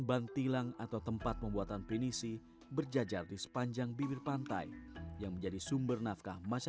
pan rita lopi atau ahli penisi berperan penting dalam pembuatan penisi